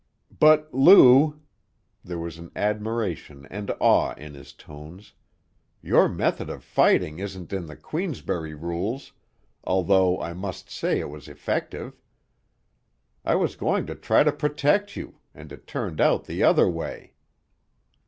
_" "But Lou!" There was admiration and awe in his tones. "Your method of fighting isn't in the Queensberry rules, although I must say it was effective. I was going to try to protect you, and it turned out the other way!"